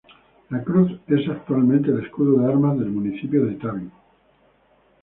La cruz es actualmente el escudo de armas del municipio de Täby.